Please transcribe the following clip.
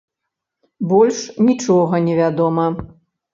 Больш нічога не вядома.